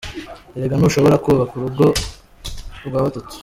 Erega ntushobora kubaka urugo rwa batatu.